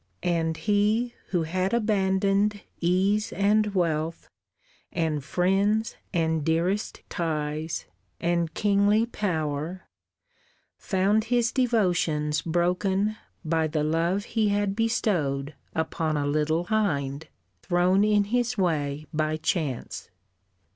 And he who had abandoned ease and wealth, And friends and dearest ties, and kingly power, Found his devotions broken by the love He had bestowed upon a little hind Thrown in his way by chance.